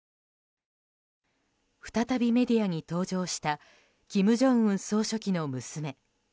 再びメディアに登場した金正恩総書記の娘。